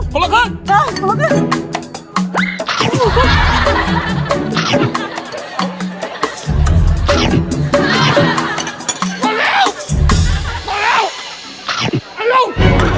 คนละครึ่ง